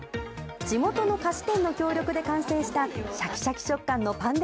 地元の菓子店の協力で完成したシャキシャキ食感のパン